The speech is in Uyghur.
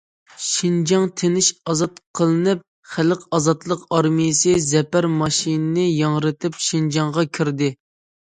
شىنجاڭ تىنچ ئازاد قىلىنىپ، خەلق ئازادلىق ئارمىيەسى زەپەر مارشىنى ياڭرىتىپ شىنجاڭغا كىردى.